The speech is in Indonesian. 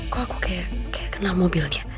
kok aku kayak kenal mobilnya